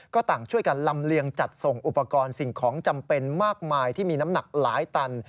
ก็ต่างช่วยกันลำเลียงจัดส่งอุปกรณ์สิ่งของจำเป็นมากมายที่มีน้ำหนักหลายตัน